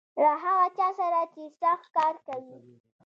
له هغه چا سره چې سخت کار کوي .